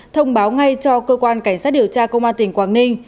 thông báo ngay cho cơ quan cảnh sát điều tra công an tỉnh quảng ninh